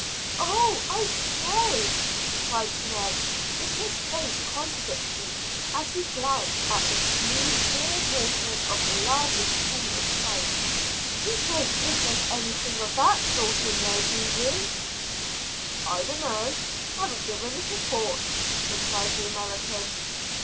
"Oh, I say," cried Ned, with his face contracting as he glanced at the smooth clear waters of the largest pool in sight. "You don't think there's anything of that sort in there, do you?" "I dunno. Haven't given it a thought," replied the American.